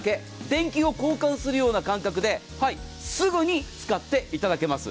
電球を交換するような感覚ですぐに使っていただけます。